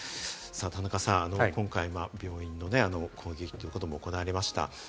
田中さん、今回は病院の攻撃ということも行われました。